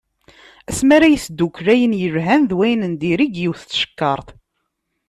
Asmi ara yesdukkel ayen yelhan d wayen n diri deg yiwet n tcekkart.